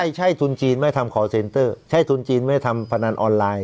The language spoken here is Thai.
ใช่ใช่ทุนจีนไม่ทำใช่ทุนจีนไม่ทำพนันออนไลน์